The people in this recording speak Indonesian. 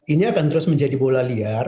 ini akan terus menjadi bola liar